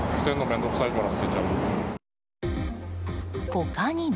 他にも。